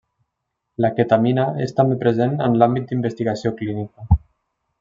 La Ketamina és també present en l'àmbit d'investigació clínica.